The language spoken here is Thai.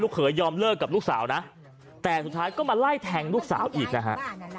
เขยยอมเลิกกับลูกสาวนะแต่สุดท้ายก็มาไล่แทงลูกสาวอีกนะฮะ